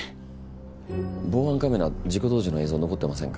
防犯カメラ事故当時の映像残ってませんか？